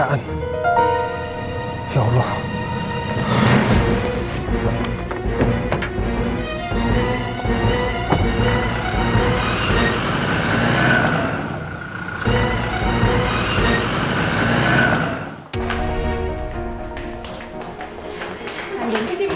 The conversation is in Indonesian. tunggu dong rened